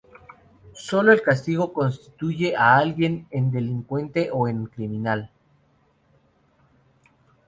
Sólo el castigo constituye a alguien en delincuente o en criminal.